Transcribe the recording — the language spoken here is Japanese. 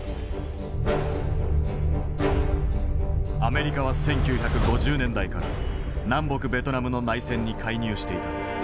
アメリカは１９５０年代から南北ベトナムの内戦に介入していた。